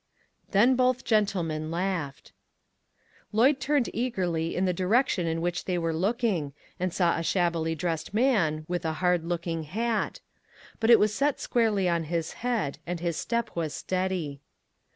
Then both gentlemen laughed. "LABORERS TOGETHER. 233 Lloyd turned eagerly in the direction in which they were looking, and saw a shab^ bily dressed man, with a hard looking hat; but it was set squarely on his head, and his step was steady.